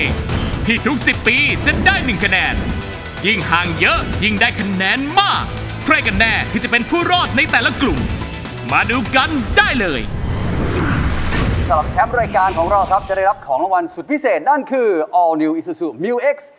นั่นคือออลนิวอิซูซูมิวเอ็กซ์